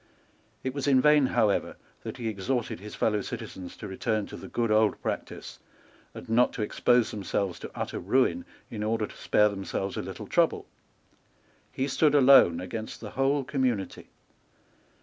It was in vain, however, that he exhorted his fellow citizens to return to the good old practice, and not to expose themselves to utter ruin in order to spare themselves a little trouble. He stood alone against the whole community.